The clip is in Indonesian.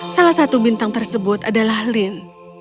salah satu bintang tersebut adalah lin